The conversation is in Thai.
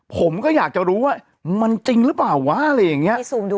ผมก็อยากจะรู้ว่ามันจริงหรือเปล่าวะอะไรอย่างนี้